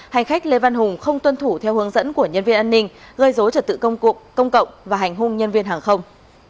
hành khách lê văn hùng không tuân thủ theo hướng dẫn của nhân viên an ninh gây dối trật tự công cộng công cộng và hành hung nhân viên hàng không